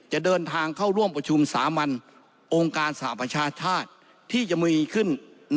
จะเดินทางเข้าร่วมประชุมสามัญองค์การสหประชาชาติที่จะมีขึ้น